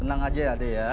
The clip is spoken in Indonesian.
senang aja ya adik ya